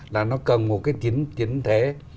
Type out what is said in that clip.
là nó cần một cái chính thế